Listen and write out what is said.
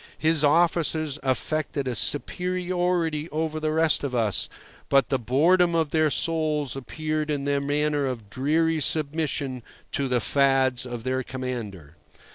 His officers affected a superiority over the rest of us, but the boredom of their souls appeared in their manner of dreary submission to the fads of their commander.